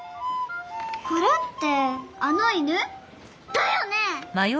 これってあの犬？だよね！